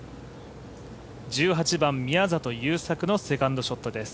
１８番、宮里優作のセカンドショットです。